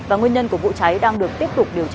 và nguyên nhân của vụ cháy đang được tiếp tục điều tra